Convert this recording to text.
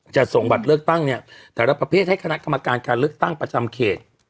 จะส่งบัตรเลือกตั้งเนี่ยแต่ละประเภทให้คณะกรรมการการเลือกตั้งประจำเขต